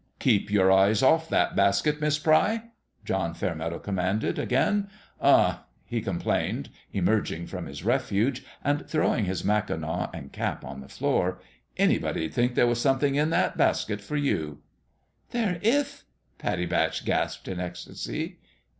" Keep your eyes off that basket, Miss Pry !" John Fairmeadow commanded, again. " Huh !" he complained, emerging from his refuge and throwing his mackinaw and cap on the floor ;" anybody 'd think there was something in that basket for you" " There ith," Pattie Batch gasped, in ecstasy.